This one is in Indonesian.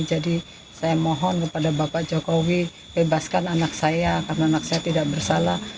jadi saya mohon kepada bapak jokowi bebaskan anak saya karena anak saya tidak bersalah